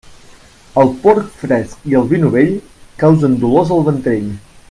El porc fresc i el vi novell causen dolors al ventrell.